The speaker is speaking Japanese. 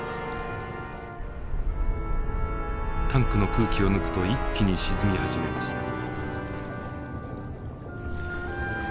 タンクの空気を抜くと一気に沈み始めます。